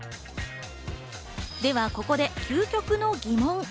ではここで究極の疑問。